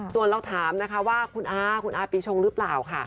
ส่วนเราถามนะคะว่าคุณอาคุณอาปีชงหรือเปล่าค่ะ